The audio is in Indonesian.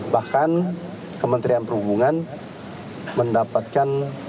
bahkan kementerian perhubungan mendapatkan